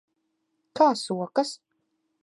Kā sokas?